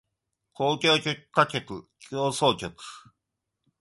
交響曲歌曲協奏曲